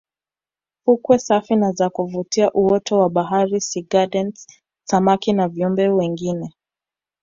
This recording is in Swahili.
Fukwe safi na za kuvutia uoto wa baharini sea gardens samaki na viumbe wengine